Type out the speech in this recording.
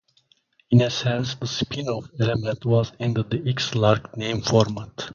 In a sense, the spin-off element was in the "The X Lark" name format.